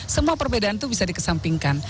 semua perbedaan itu bisa dikesampingkan